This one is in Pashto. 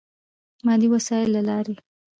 مادي وسایلو له لارې.